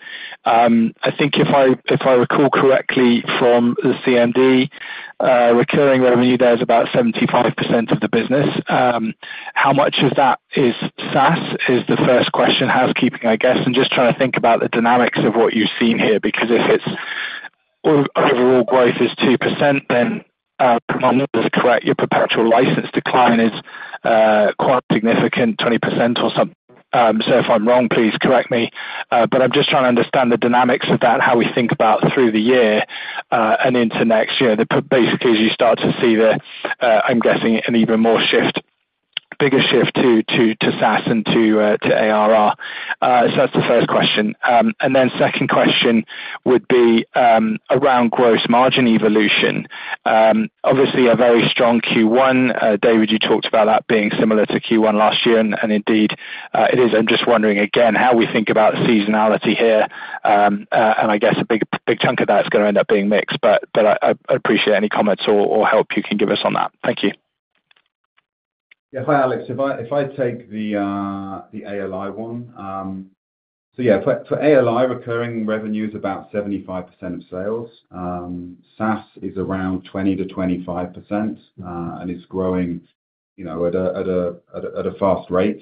I think if I recall correctly from the CMD, recurring revenue there is about 75% of the business. How much of that is SaaS is the first question housekeeping, I guess, and just trying to think about the dynamics of what you've seen here because if overall growth is 2%, then my math is correct. Your perpetual license decline is quite significant, 20% or something. So if I'm wrong, please correct me. But I'm just trying to understand the dynamics of that, how we think about through the year and into next year. Basically, as you start to see there, I'm guessing an even bigger shift to SaaS and to ARR. So that's the first question. Then second question would be around gross margin evolution. Obviously, a very strong Q1. David, you talked about that being similar to Q1 last year, and indeed, it is. I'm just wondering again how we think about seasonality here. And I guess a big chunk of that is going to end up being mixed, but I appreciate any comments or help you can give us on that. Thank you. Yeah, hi Alex. If I take the ALI one. So yeah, for ALI, recurring revenue is about 75% of sales. SaaS is around 20%-25% and is growing at a fast rate.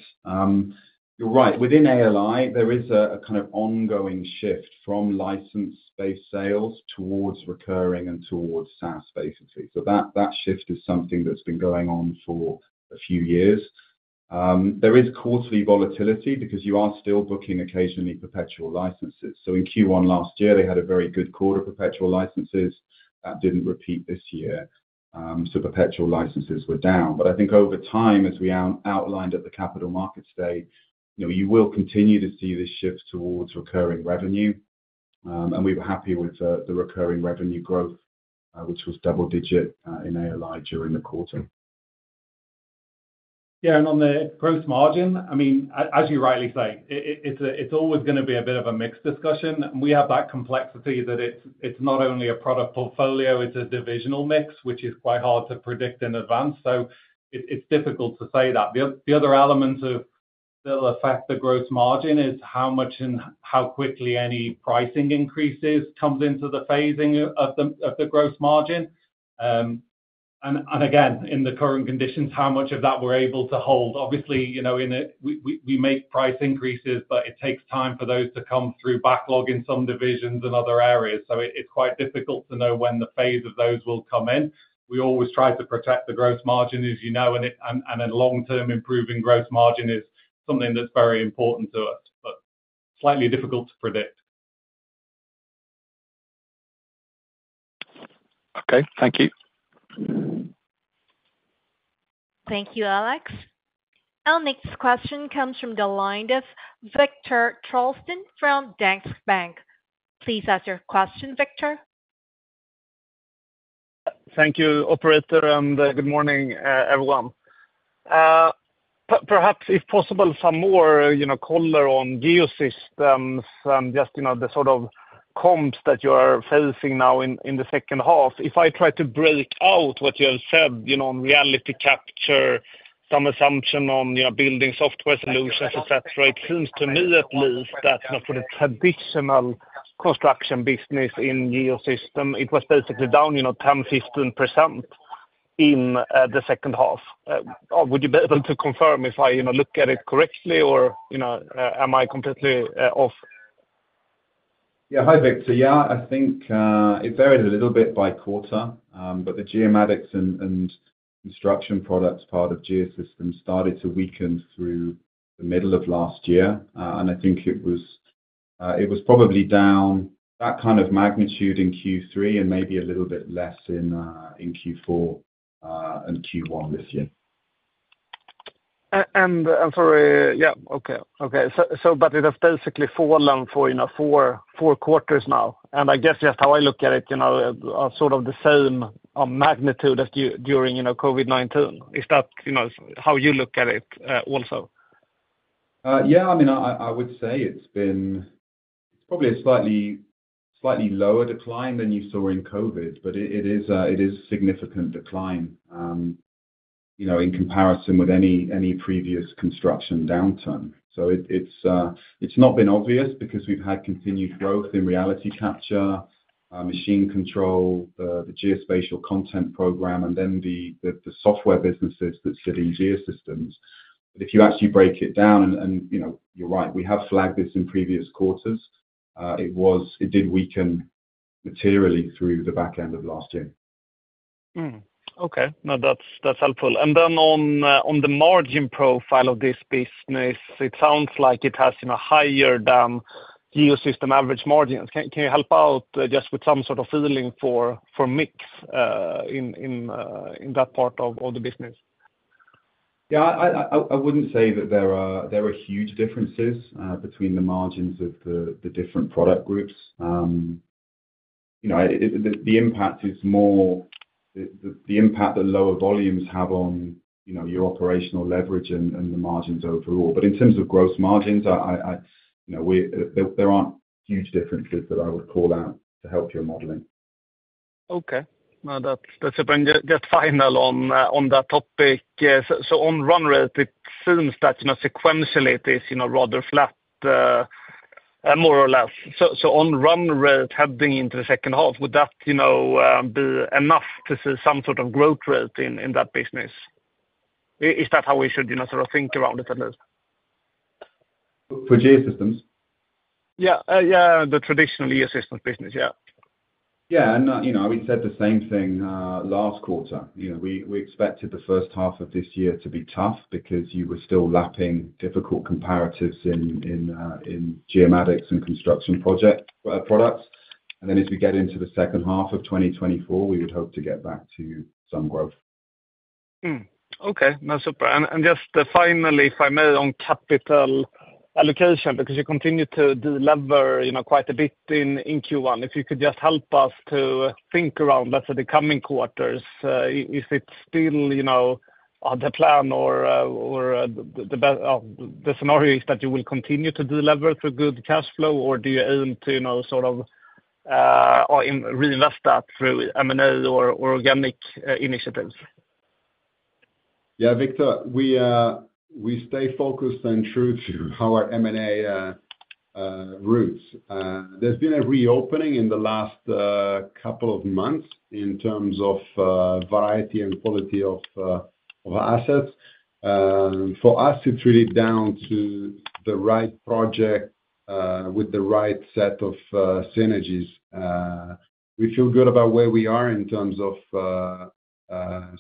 You're right. Within ALI, there is a kind of ongoing shift from licence-based sales towards recurring and towards SaaS, basically. So that shift is something that's been going on for a few years. There is quarterly volatility because you are still booking occasionally perpetual licences. So in Q1 last year, they had a very good quarter perpetual licences. That didn't repeat this year. So perpetual licences were down. But I think over time, as we outlined at the capital markets day, you will continue to see this shift towards recurring revenue. And we were happy with the recurring revenue growth, which was double-digit in ALI during the quarter. Yeah, and on the growth margin, I mean, as you rightly say, it's always going to be a bit of a mixed discussion. We have that complexity that it's not only a product portfolio, it's a divisional mix, which is quite hard to predict in advance. It's difficult to say that. The other elements that'll affect the gross margin is how much and how quickly any pricing increases comes into the phasing of the gross margin. Again, in the current conditions, how much of that we're able to hold. Obviously, we make price increases, but it takes time for those to come through backlog in some divisions and other areas. It's quite difficult to know when the phase of those will come in. We always try to protect the gross margin, as you know, and a long-term improving gross margin is something that's very important to us, but slightly difficult to predict. Okay. Thank you. Thank you, Alex. Our next question comes from the line of Viktor Trollsten from Danske Bank. Please ask your question, Viktor. Thank you, operator, and good morning, everyone. Perhaps, if possible, some more color on Geosystems and just the sort of comps that you are facing now in the second half. If I try to break out what you have said on reality capture, some assumption on building software solutions, etc., it seems to me at least that for the traditional construction business in Geosystems, it was basically down 10%-15% in the second half. Would you be able to confirm if I look at it correctly, or am I completely off? Yeah, hi Viktor. Yeah, I think it varied a little bit by quarter, but the geomatics and construction products part of Geosystems started to weaken through the middle of last year. And I think it was probably down that kind of magnitude in Q3 and maybe a little bit less in Q4 and Q1 this year. And I'm sorry. Yeah, okay. Okay. But it has basically fallen for four quarters now. And I guess just how I look at it, sort of the same magnitude as during COVID-19. Is that how you look at it also? Yeah, I mean, I would say it's probably a slightly lower decline than you saw in COVID, but it is a significant decline in comparison with any previous construction downturn. So it's not been obvious because we've had continued growth in reality capture, machine control, the geospatial content program, and then the software businesses that sit in Geosystems. But if you actually break it down and you're right, we have flagged this in previous quarters. It did weaken materially through the back end of last year. Okay. No, that's helpful. And then on the margin profile of this business, it sounds like it has higher than Geosystems average margins. Can you help out just with some sort of feeling for mix in that part of the business? Yeah, I wouldn't say that there are huge differences between the margins of the different product groups. The impact is more the impact that lower volumes have on your operational leverage and the margins overall. But in terms of gross margins, there aren't huge differences that I would call out to help your modeling. Okay. No, that's just final on that topic. So on run rate, it seems that sequentially, it is rather flat, more or less. So on run rate heading into the second half, would that be enough to see some sort of growth rate in that business? Is that how we should sort of think around it at least? For geosystems? Yeah. Yeah, the traditional Geosystems business. Yeah. Yeah. I would say the same thing last quarter. We expected the first half of this year to be tough because you were still lapping difficult comparatives in geomatics and construction products. Then as we get into the second half of 2024, we would hope to get back to some growth. Okay. No, super. And just finally, if I may, on capital allocation because you continue to delever quite a bit in Q1. If you could just help us to think around, let's say, the coming quarters, is it still the plan or the scenario is that you will continue to delever through good cash flow, or do you aim to sort of reinvest that through M&A or organic initiatives? Yeah, Victor, we stay focused and true to how our M&A roots. There's been a reopening in the last couple of months in terms of variety and quality of assets. For us, it's really down to the right project with the right set of synergies. We feel good about where we are in terms of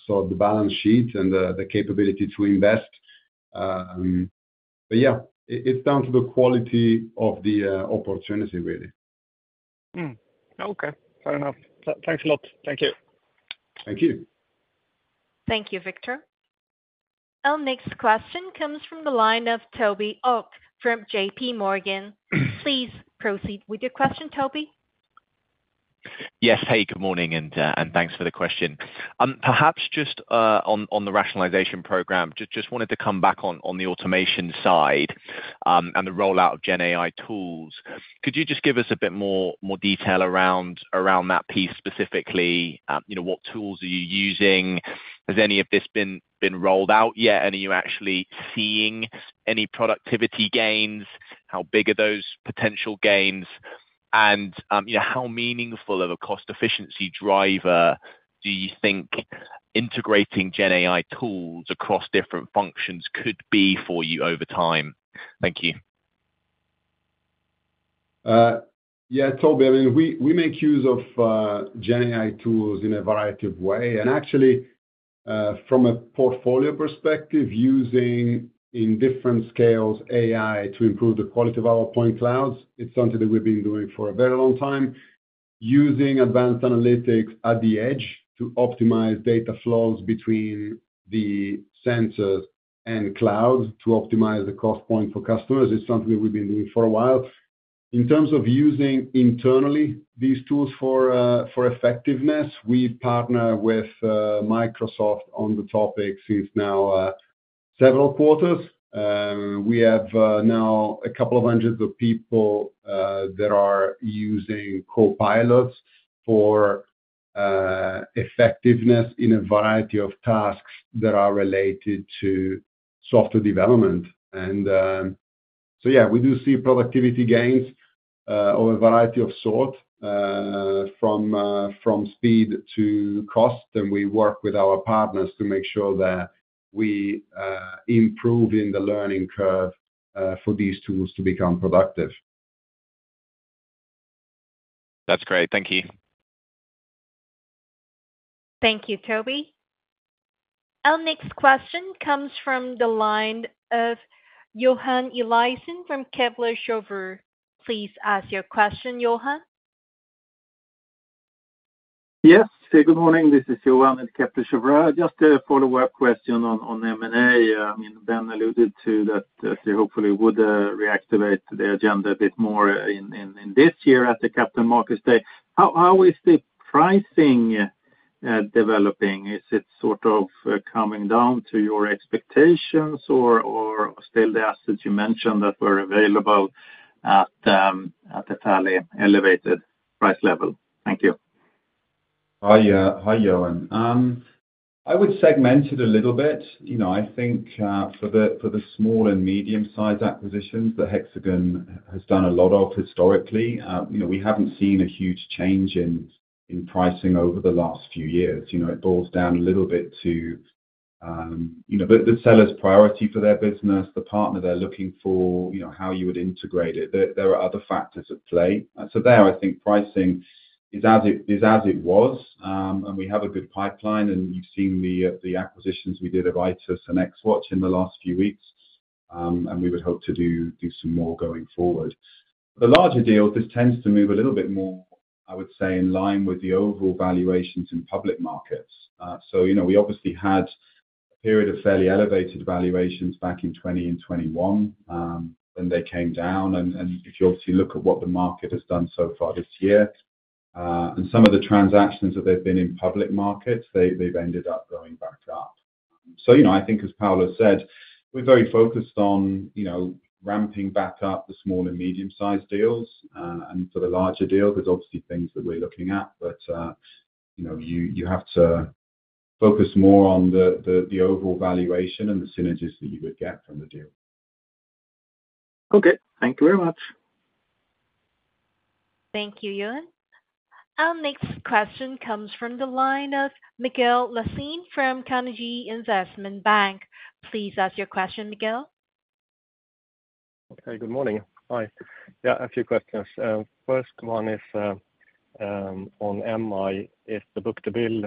sort of the balance sheet and the capability to invest. But yeah, it's down to the quality of the opportunity, really. Okay. Fair enough. Thanks a lot. Thank you. Thank you. Thank you, Victor. Our next question comes from the line of Toby Ogg from J.P. Morgan. Please proceed with your question, Toby. Yes. Hey, good morning, and thanks for the question. Perhaps just on the rationalization program, just wanted to come back on the automation side and the rollout of GenAI tools. Could you just give us a bit more detail around that piece specifically? What tools are you using? Has any of this been rolled out yet? And are you actually seeing any productivity gains? How big are those potential gains? And how meaningful of a cost-efficiency driver do you think integrating GenAI tools across different functions could be for you over time? Thank you. Yeah, Toby. I mean, we make use of GenAI tools in a variety of ways. Actually, from a portfolio perspective, using in different scales AI to improve the quality of our point clouds, it's something that we've been doing for a very long time. Using advanced analytics at the edge to optimize data flows between the sensors and cloud to optimize the cost point for customers, it's something that we've been doing for a while. In terms of using internally these tools for effectiveness, we partner with Microsoft on the topic since now several quarters. We have now a couple of hundreds of people that are using Copilots for effectiveness in a variety of tasks that are related to software development. And so yeah, we do see productivity gains of a variety of sorts from speed to cost. We work with our partners to make sure that we improve in the learning curve for these tools to become productive. That's great. Thank you. Thank you, Toby. Our next question comes from the line of Johan Eliason from Kepler Cheuvreux. Please ask your question, Johan. Yes. Hey, good morning. This is Johan at Kepler Cheuvreux. Just a follow-up question on M&A. I mean, Ben alluded to that they hopefully would reactivate the agenda a bit more in this year at the Capital Markets Day. How is the pricing developing? Is it sort of coming down to your expectations, or are still the assets you mentioned that were available at a fairly elevated price level? Thank you. Hi, Johan. I would segment it a little bit. I think for the small and medium-sized acquisitions that Hexagon has done a lot of historically, we haven't seen a huge change in pricing over the last few years. It boils down a little bit to the seller's priority for their business, the partner they're looking for, how you would integrate it. There are other factors at play. So there, I think pricing is as it was. And we have a good pipeline. And you've seen the acquisitions we did of Itus and Xwatch in the last few weeks. And we would hope to do some more going forward. For the larger deals, this tends to move a little bit more, I would say, in line with the overall valuations in public markets. So we obviously had a period of fairly elevated valuations back in 2020 and 2021. Then they came down. If you obviously look at what the market has done so far this year and some of the transactions that they've been in public markets, they've ended up going back up. I think, as Paolo said, we're very focused on ramping back up the small and medium-sized deals. For the larger deal, there's obviously things that we're looking at. But you have to focus more on the overall valuation and the synergies that you would get from the deal. Okay. Thank you very much. Thank you, Johan. Our next question comes from the line of Mikael Laséen from Carnegie Investment Bank. Please ask your question, Mikael. Okay. Good morning. Hi. Yeah, a few questions. First one is on MI, if the book-to-bill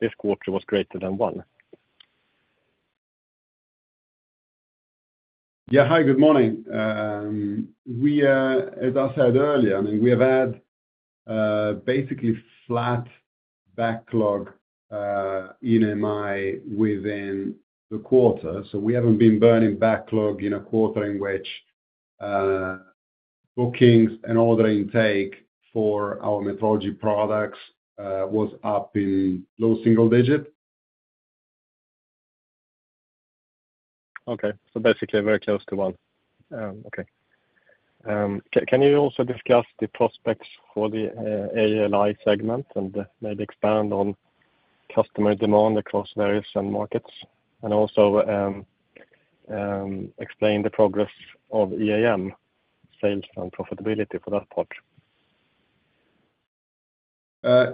this quarter was greater than one. Yeah, hi. Good morning. As I said earlier, I mean, we have had basically flat backlog in MI within the quarter. So we haven't been burning backlog in a quarter in which bookings and order intake for our metrology products was up in low single-digit. Okay. So basically very close to one. Okay. Can you also discuss the prospects for the ALI segment and maybe expand on customer demand across various markets and also explain the progress of EAM, sales and profitability for that part?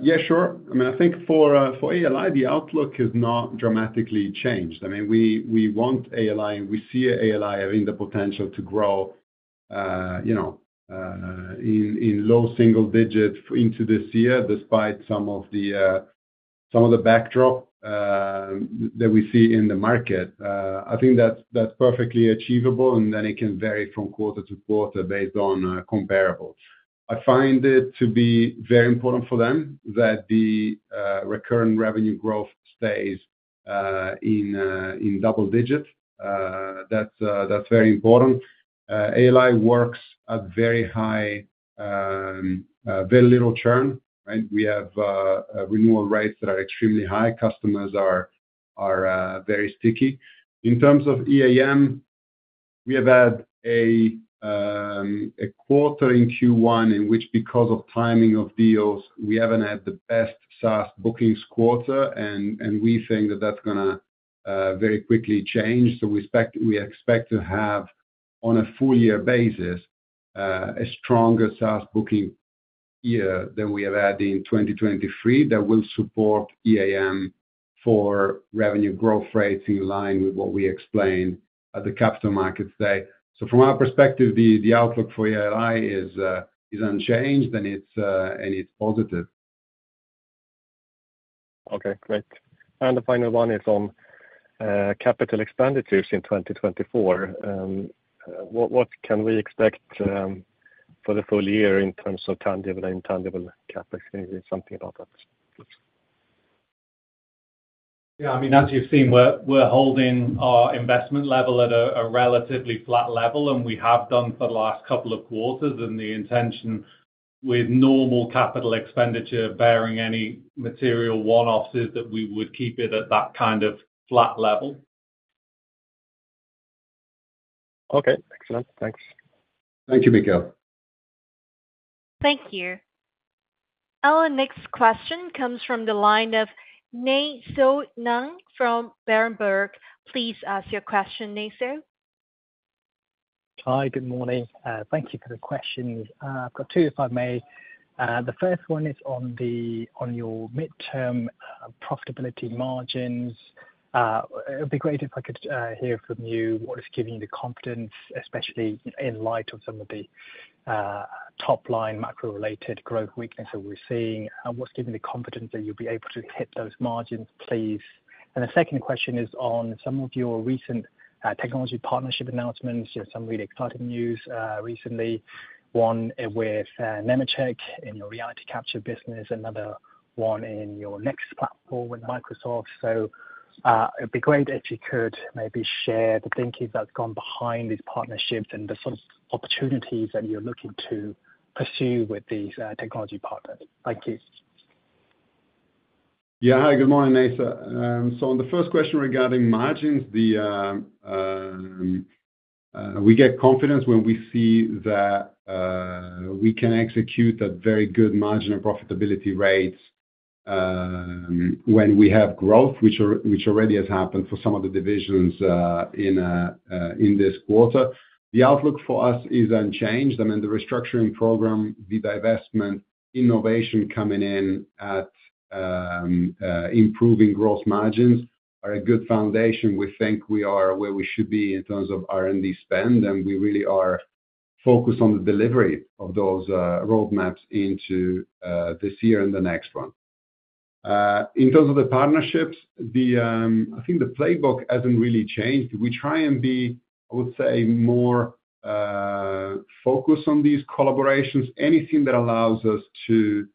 Yeah, sure. I mean, I think for ALI, the outlook has not dramatically changed. I mean, we want ALI, and we see ALI having the potential to grow in low single digit into this year despite some of the backdrop that we see in the market. I think that's perfectly achievable. And then it can vary from quarter to quarter based on comparables. I find it to be very important for them that the recurrent revenue growth stays in double digit. That's very important. ALI works at very high, very little churn, right? We have renewal rates that are extremely high. Customers are very sticky. In terms of EAM, we have had a quarter in Q1 in which, because of timing of deals, we haven't had the best SaaS bookings quarter. And we think that that's going to very quickly change. So we expect to have, on a full-year basis, a stronger SaaS booking year than we have had in 2023 that will support EAM for revenue growth rates in line with what we explained at the Capital Markets Day. So from our perspective, the outlook for ALI is unchanged, and it's positive. Okay. Great. And the final one is on capital expenditures in 2024. What can we expect for the full year in terms of tangible and intangible capital? Can you say something about that? Yeah. I mean, as you've seen, we're holding our investment level at a relatively flat level. We have done for the last couple of quarters. The intention with normal capital expenditure bearing any material one-offs is that we would keep it at that kind of flat level, Okay. Excellent. Thanks. Thank you, Mikael. Thank you. Our next question comes from the line of Nay Soe Naing from Berenberg. Please ask your question, Nay Soe. Hi. Good morning. Thank you for the questions. I've got two, if I may. The first one is on your midterm profitability margins. It would be great if I could hear from you what is giving you the confidence, especially in light of some of the top-line macro-related growth weakness that we're seeing. What's giving the confidence that you'll be able to hit those margins, please? And the second question is on some of your recent technology partnership announcements, some really exciting news recently, one with Nemetschek in your reality capture business, another one in your Nexus platform with Microsoft. So it'd be great if you could maybe share the thinking that's gone behind these partnerships and the sort of opportunities that you're looking to pursue with these technology partners. Thank you. Yeah. Hi. Good morning, Nay Soe. So on the first question regarding margins, we get confidence when we see that we can execute at very good margin and profitability rates when we have growth, which already has happened for some of the divisions in this quarter. The outlook for us is unchanged. I mean, the restructuring program, the divestment, innovation coming in at improving gross margins are a good foundation. We think we are where we should be in terms of R&D spend. And we really are focused on the delivery of those roadmaps into this year and the next one. In terms of the partnerships, I think the playbook hasn't really changed. We try and be, I would say, more focused on these collaborations, anything that allows us to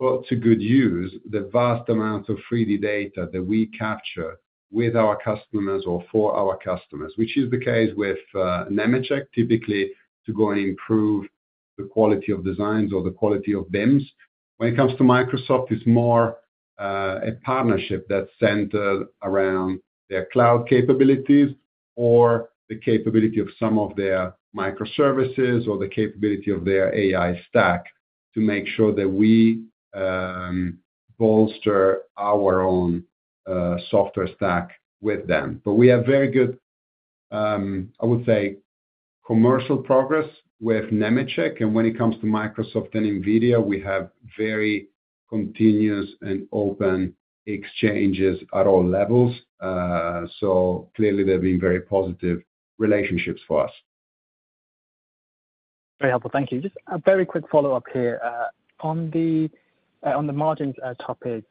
put to good use the vast amounts of 3D data that we capture with our customers or for our customers, which is the case with Nemetschek, typically to go and improve the quality of designs or the quality of BIMs. When it comes to Microsoft, it's more a partnership that's centered around their cloud capabilities or the capability of some of their microservices or the capability of their AI stack to make sure that we bolster our own software stack with them. But we have very good, I would say, commercial progress with Nemetschek. And when it comes to Microsoft and NVIDIA, we have very continuous and open exchanges at all levels. So clearly, there have been very positive relationships for us. Very helpful. Thank you. Just a very quick follow-up here. On the margins topic,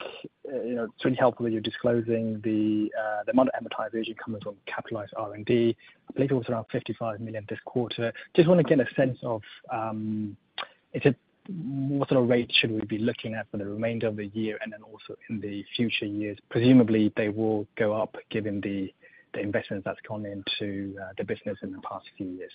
it's really helpful that you're disclosing the amount of amortization coming from capitalized R&D. I believe it was around 55 million this quarter. Just want to get a sense of what sort of rate should we be looking at for the remainder of the year and then also in the future years? Presumably, they will go up given the investment that's gone into the business in the past few years.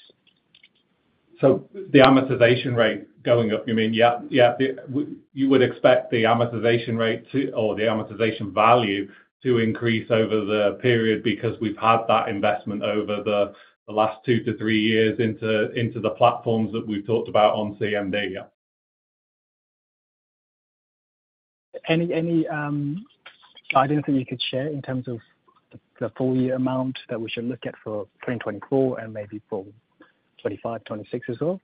So the amortization rate going up, you mean? Yeah, you would expect the amortization rate or the amortization value to increase over the period because we've had that investment over the last two to three years into the platforms that we've talked about on CMD, yeah. Any guidance that you could share in terms of the full-year amount that we should look at for 2024 and maybe for 2025, 2026 as well?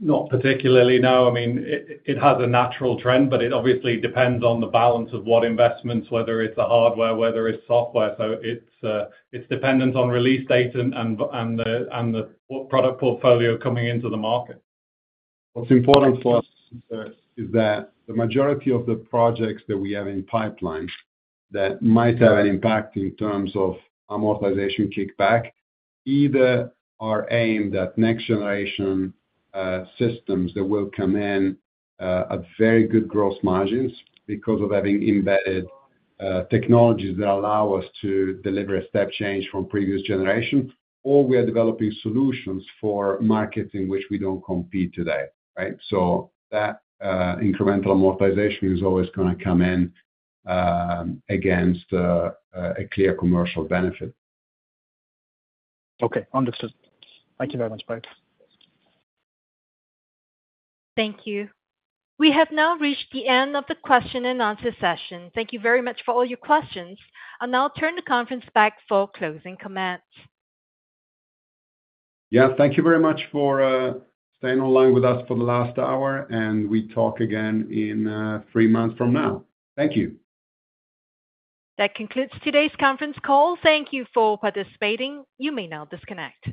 Not particularly, no. I mean, it has a natural trend, but it obviously depends on the balance of what investments, whether it's the hardware, whether it's software. So it's dependent on release date and what product portfolio coming into the market. What's important for us is that the majority of the projects that we have in pipeline that might have an impact in terms of amortization kickback either are aimed at next-generation systems that will come in at very good gross margins because of having embedded technologies that allow us to deliver a step change from previous generation, or we are developing solutions for markets in which we don't compete today, right? So that incremental amortization is always going to come in against a clear commercial benefit. Okay. Understood. Thank you very much, both. Thank you. We have now reached the end of the question-and-answer session. Thank you very much for all your questions. I'll now turn the conference back for closing comments. Yeah. Thank you very much for staying online with us for the last hour. We talk again in three months from now. Thank you. That concludes today's conference call. Thank you for participating. You may now disconnect.